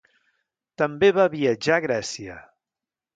També va viatjar a Grècia.